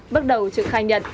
bước đầu trực khai nhận